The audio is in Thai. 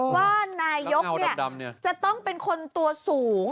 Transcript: ว่านายกจะต้องเป็นคนตัวสูง